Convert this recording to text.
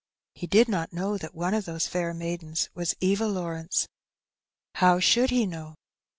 He did not know that one of those fair maidens was Eva Law rence; how should he know?